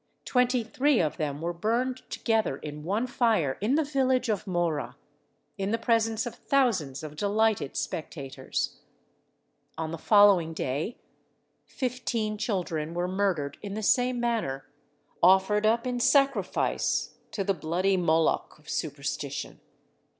Twenty three of them were burned together in one fire in the village of Mohra, in the presence of thousands of delighted spectators. On the following day fifteen children were murdered in the same manner, offered up in sacrifice to the bloody Moloch of superstition.